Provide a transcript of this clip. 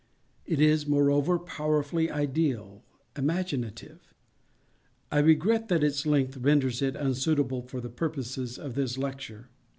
It is, moreover, powerfully ideal—imaginative. I regret that its length renders it unsuitable for the purposes of this lecture.